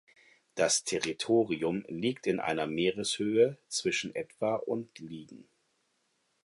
Das Territorium liegt in einer Meereshöhe zwischen etwa und liegen.